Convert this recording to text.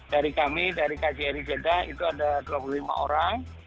dari kami dari kjri jeddah itu ada dua puluh lima orang